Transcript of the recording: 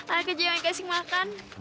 anak kecil yang kasih makan